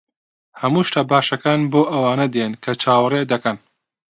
ھەموو شتە باشەکان بۆ ئەوانە دێن کە چاوەڕێ دەکەن.